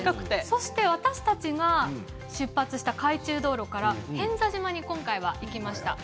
そして私たちが出発した海中道路から平安座島に今回行きました。